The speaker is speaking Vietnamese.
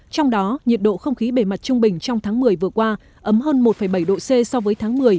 trong đó nhiệt độ không khí bề mặt trung bình trong tháng một mươi vừa qua ấm hơn một bảy độ c so với tháng một mươi